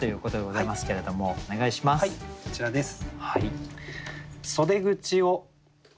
はいこちらです。